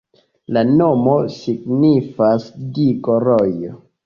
La nomo signifas digo-rojo.